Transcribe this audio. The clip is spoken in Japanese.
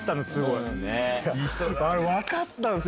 いやあれ分かったんすよ。